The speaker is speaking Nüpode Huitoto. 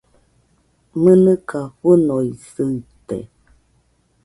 ¡Mɨnɨka fɨnoisɨite!